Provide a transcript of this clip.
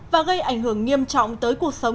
và gây ảnh hưởng nghiêm trọng tới cuộc sống